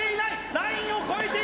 ラインを越えていない！